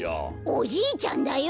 おじいちゃんだよ！